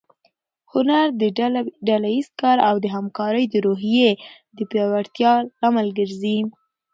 هنر د ډله ییز کار او د همکارۍ د روحیې د پیاوړتیا لامل ګرځي.